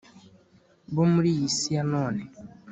bo muri iyi si ya none